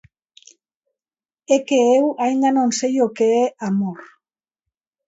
É que eu aínda non sei o que é amor.